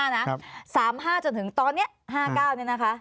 ๓๕จนถึงตอนนี้๕๙เนี่ยนะคะ